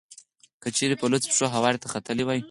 که چېرې په لوڅو پښو هوارې ته ختلی وای.